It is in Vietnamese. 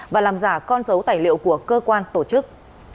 và làm giả con dấu tài liệu của cơ quan tổ chức